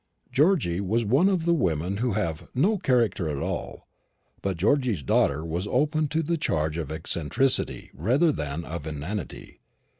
Georgy was one of the women who have "no characters at all," but Georgy's daughter was open to the charge of eccentricity rather than of inanity.